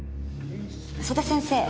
曽田先生。